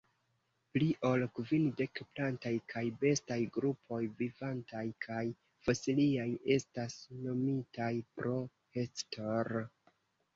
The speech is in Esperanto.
Pli ol kvindek plantaj kaj bestaj grupoj, vivantaj kaj fosiliaj, estas nomitaj pro Hector.